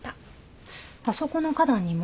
あそこの花壇にも？